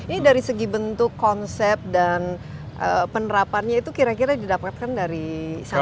ini dari segi bentuk konsep dan penerapannya itu kira kira didapatkan dari sana